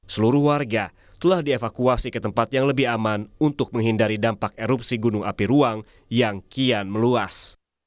seluruh warga telah dievakuasi ke tempat yang lebih aman untuk menghindari dampak erupsi gunung api ruang yang kian meluas